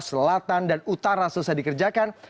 selatan dan utara selesai dikerjakan